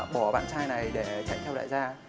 bỏ bạn trai này để chạy theo đại gia